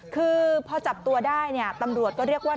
คือพอจับตัวได้เนี่ยตำรวจก็เรียกว่า